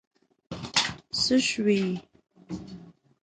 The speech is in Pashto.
څه شوي؟